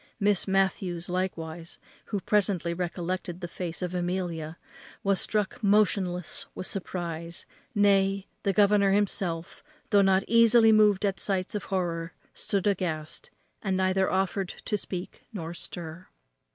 Miss Matthews likewise, who presently recollected the face of Amelia, was struck motionless with the surprize, nay, the governor himself, though not easily moved at sights of horror, stood aghast, and neither offered to speak nor stir.